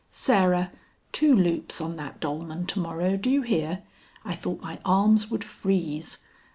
"Sarah, two loops on that dolman to morrow; do you hear? I thought my arms would freeze.